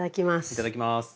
いただきます！